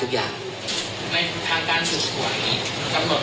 คือทางว่าคุณครูบิชัพ